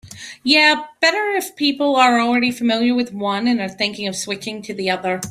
Yeah, better if people are already familiar with one and are thinking of switching to the other.